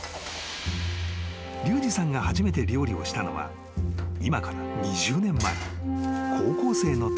［リュウジさんが初めて料理をしたのは今から２０年前高校生のとき］